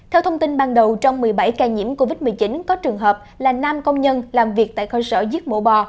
theo thông tin ban đầu trong một mươi bảy ca nhiễm covid một mươi chín có trường hợp là nam công nhân làm việc tại cơ sở giết mổ bò